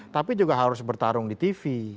tapi juga harus bertarung di tv